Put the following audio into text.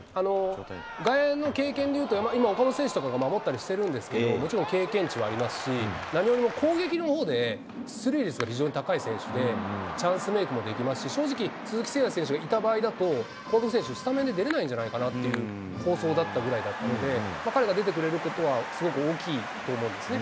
外野の経験でいうと、今、岡本選手とかが守ったりしてるんですけど、もちろん経験値はありますし、何よりも攻撃のほうで、出塁率が非常に高い選手で、チャンスメークもできますし、正直、鈴木誠也選手がいた場合だと、近藤選手、スタメンで出れないんじゃないかなという構想だったぐらいなので、彼が出てくれることは、すごく大きいと思うんですね。